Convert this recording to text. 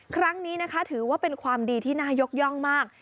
ครั้งนี้นะคะถือว่าเป็นความดีที่น่ายกย่องมาก